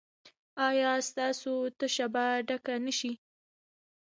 ایا ستاسو تشه به ډکه نه شي؟